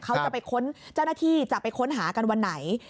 เขาจะไปค้นเจ้าหน้าที่จะไปค้นหากันวันไหน